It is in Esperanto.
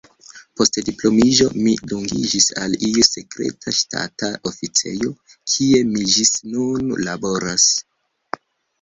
Post diplomiĝo mi dungiĝis al iu sekreta ŝtata oficejo, kie mi ĝis nun laboras.